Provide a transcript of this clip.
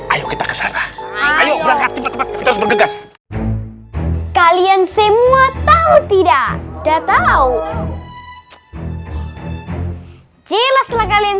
ayo kita kesana ayo langsung bergegas kalian semua tahu tidak udah tahu jelaslah kalian